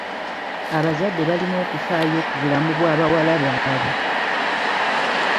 Abazadde balina okufaayo ku bulamu bwa bawala baabwe.